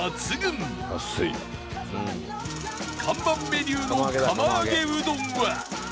看板メニューの釜揚げうどんは